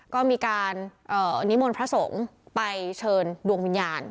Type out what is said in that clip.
ก็มีการนิมนต์พระสงฆ์ไปเชิญดวงวิญญาณ